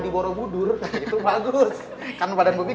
tidak ada yang bisa dibantuin